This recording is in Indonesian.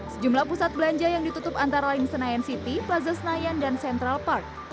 sejumlah pusat belanja yang ditutup antara lain senayan city plaza senayan dan central park